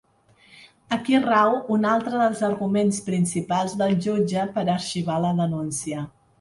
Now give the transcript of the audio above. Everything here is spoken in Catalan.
Aquí rau un altre dels arguments principals del jutge per a arxivar la denúncia.